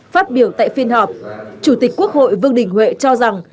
phát biểu tại phiên họp chủ tịch quốc hội vương đình huệ cho rằng